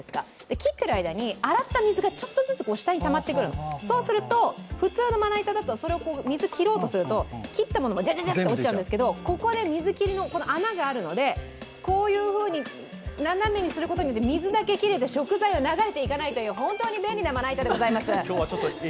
切っている間に、洗った水がちょっとずつ下にたまってくる、そうすると、普通のまな板だと、水を切ろうとすると切ったものも落ちちゃうんですけどここで水切りの穴があるので斜めにすることによって水だけ切れて、食材は流れていかないという本当に便利なまな板でございます！